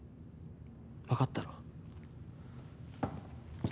わかったろ？